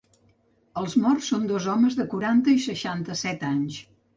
Els morts són dos homes de quaranta i seixanta-set anys.